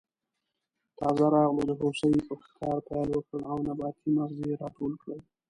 تازه راغلو د هوسۍ په ښکار پیل وکړ او نباتي مغز یې راټول کړل.